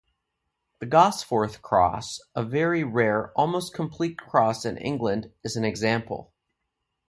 The Gosforth Cross, a very rare almost-complete cross in England, is an example.